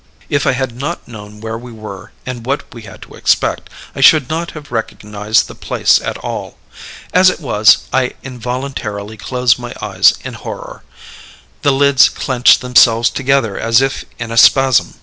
"If I had not known where we were, and what we had to expect, I should not have recognized the place at all. As it was, I involuntarily closed my eyes in horror. The lids clenched themselves together as if in a spasm.